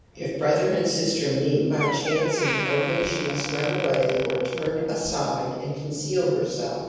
If brother and sister meet by chance in the open, she rnust rim away or turn aside and conceal herself.